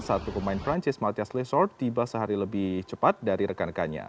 satu pemain perancis mathias lesord tiba sehari lebih cepat dari rekan rekannya